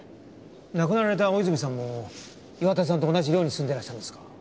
亡くなられた大泉さんも岩田さんと同じ寮に住んでらしたんですか？